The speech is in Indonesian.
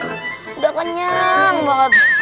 udah kenyang banget